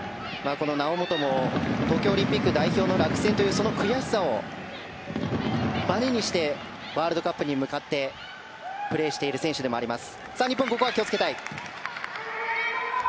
猶本も東京オリンピック代表の落選というその悔しさをばねにしてワールドカップに向かってプレーしている選手です。